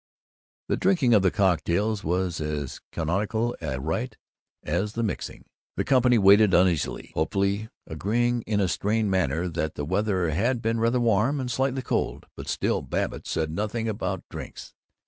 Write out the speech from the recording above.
The drinking of the cocktails was as canonical a rite as the mixing. The company waited, uneasily, hopefully, agreeing in a strained manner that the weather had been rather warm and slightly cold, but still Babbitt said nothing about drinks.